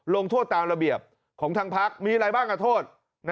ลงโทษตามระเบียบของทางพักมีอะไรบ้างกับโทษ